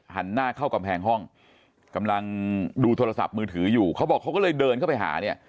หันหน้าเข้ากำแพงห้องกำลังดูโทรศัพท์มือถืออยู่เขาบอกเขาก็เลยเดินเข้าไปหาเนี่ย